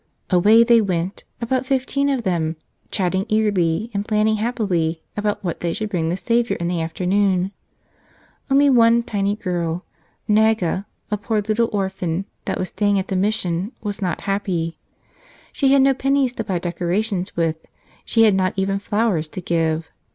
Away they went, about fifteen of them, chatting eagerly and planning happily about what they should bring the Savior in the afternoon. Only one tiny girl, Naga, a poor little orphan that was staying at the mis¬ sion, was not happy. She had no pennies to buy decor¬ ations with; she had not even flowers to give.